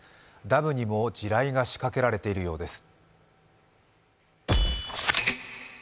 ダムにも地雷が仕掛けられているようです。